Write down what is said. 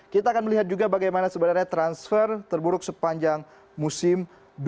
kita akan melihat juga bagaimana sebenarnya transfer terburuk sepanjang musim dua ribu dua puluh